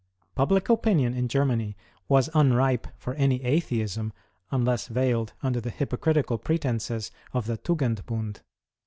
Public opinion in Germany was unripe for any Atheism unless veiled under the hypocritical pretences of the Tugenbund.